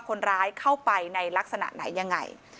คนร้ายเข้าไปในลักษณะไหนยังไง